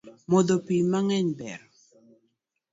Modho pii mangeny ber